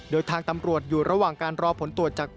โดยทางตำรวจอยู่ระหว่างการรอผลตรวจจาก